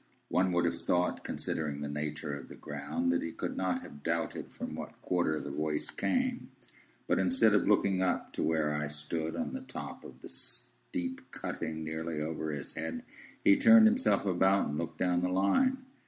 One would have thought, considering the nature of the ground, that he could not have doubted from what quarter the voice came; but instead of looking up to where I stood on the top of the steep cutting nearly over his head, he turned himself about, and looked down the Line.